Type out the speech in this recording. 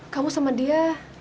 kamu sama dia